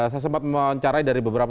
saya sempat mencarai